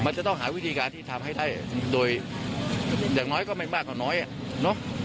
มันจะต้องหาวิธีการที่ทำให้ได้โดยอย่างน้อยก็ไม่มากกว่าน้อยอ่ะเนอะ